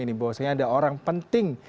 ini bahwa sehingga ada orang penting